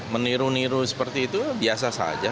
meniru niru seperti itu biasa saja